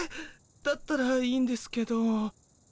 だったらいいんですけど。